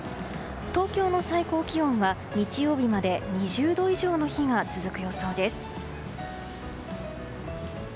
東京の最高気温は日曜日まで２０度以上の日が続く予想です。